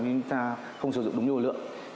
nhưng chúng ta không sử dụng đúng lưu lượng